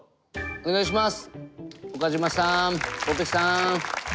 お願いします。